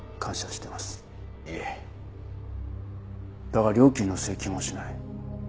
だが料金の請求もしない。